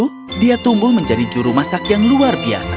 jumlah seluruh generasi ultimately menumbuh menjadi juru masak yang luar biasa